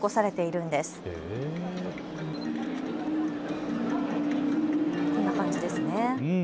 こんな感じですね。